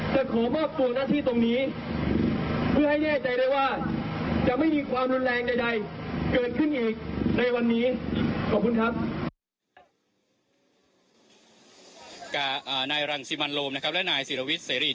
จะขอมอบตัวนักที่ตรงนี้